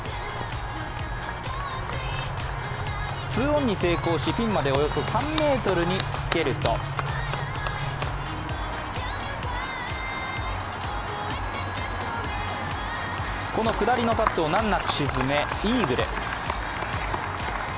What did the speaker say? ２オンに成功しピンまでおよそ３ｍにつけるとこの下りのパットを難なく沈め、イーグル。